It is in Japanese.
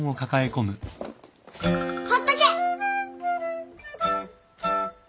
ほっとけ！